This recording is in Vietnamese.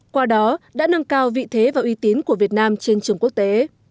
qua đó đã nâng cao vị thế và uy tín của việt nam trên trường quốc tế